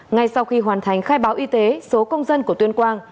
ngay sau khi hoàn thành khai báo y tế số công dân của tuyên quang